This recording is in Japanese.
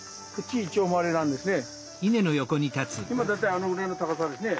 今大体あのぐらいの高さですね。